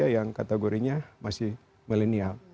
jadi kalau kita kelompokkan itu adalah sebenarnya usia millennial